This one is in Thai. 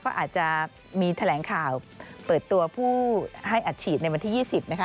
ก็อาจจะมีแถลงข่าวเปิดตัวผู้ให้อัดฉีดในวันที่๒๐นะคะ